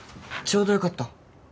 ちょうどよかった。